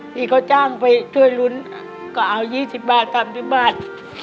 พี่ก็จ้างไปช่วยลุ้นก็เอายี่สิบบาทสามสิบบาท